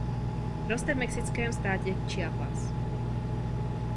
Roste v mexickém státě Chiapas.